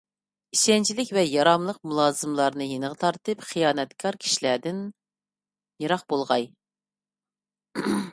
ئىشەنچلىك ۋە ياراملىق مۇلازىملارنى يېنىغا تارتىپ، خىيانەتكار كىشىلەردىن يىراق بولغاي.